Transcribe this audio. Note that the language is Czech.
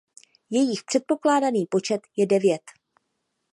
Jejich předpokládaný počet je devět.